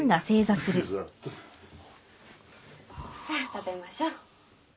さあ食べましょう。